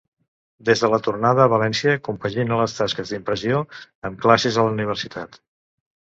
Des de la tornada a València compagina les tasques d'impressió amb classes a la Universitat.